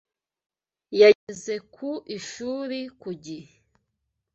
Yageze ku ishuri ku gihe.